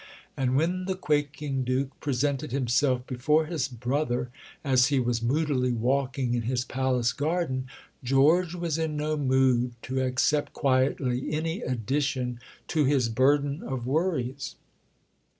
And when the quaking Duke presented himself before his brother as he was moodily walking in his palace garden, George was in no mood to accept quietly any addition to his burden of worries.